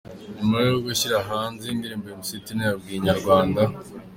Nyuma yo gushyira hanze iyi ndirimbo Mc Tino yabwiye Inyarwanda.